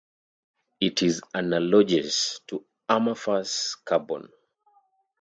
It is analogous to amorphous carbon.